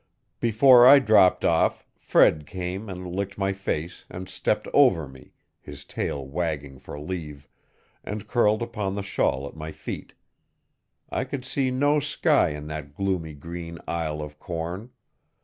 Before I dropped off Fred came and licked my face and stepped over me, his tail wagging for leave, and curled upon the shawl at my feet. I could see no sky in that gloomy green aisle of corn.